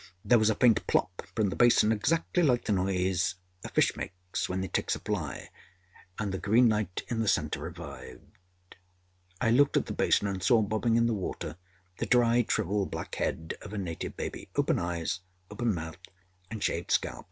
There was a faint âplopâ from the basin exactly like the noise a fish makes when it takes a fly and the green light in the centre revived. I looked at the basin, and saw, bobbing in the water, the dried, shrivelled, black head of a native baby open eyes, open mouth and shaved scalp.